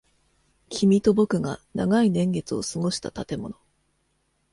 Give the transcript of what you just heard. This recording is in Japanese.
君と僕が長い年月を過ごした建物。